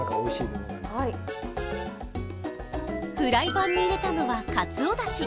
フライパンに入れたのは、かつおだし。